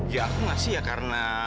ya aku ngasih ya karena